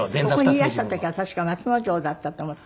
ここにいらした時は確か松之丞だったと思って。